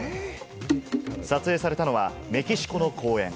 撮影されたのはメキシコの公園。